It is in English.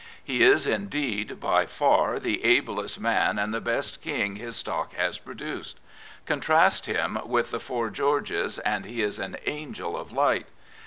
He is, indeed, by far the ablest man and the best King his stock has produced. Contrast him with the Four Georges and he is an angej of light.